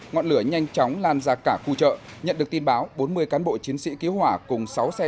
ngọn lửa nhanh chóng lan ra cả khu chợ nhận được tin báo bốn mươi cán bộ chiến sĩ cứu hỏa cùng sáu xe